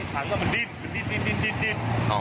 มันดิด